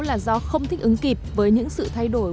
là do không thích ứng kịp với những sự thay đổi